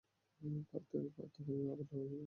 পারতেও পারি, আবার নয়ও।